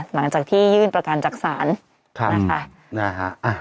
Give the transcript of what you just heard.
หลังจากที่ยื่นประการจักษรค่ะอืมนะฮะอ่า